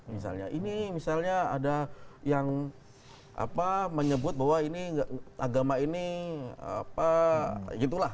misalnya ini misalnya ada yang menyebut bahwa ini agama ini gitu lah